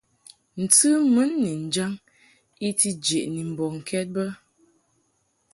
Ntɨ mun ni njaŋ i ti jeʼni mbɔŋkɛd bə.